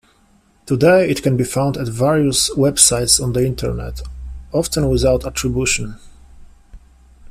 Today, it can be found at various websites on the Internet, often without attribution.